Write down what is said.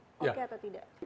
oke atau tidak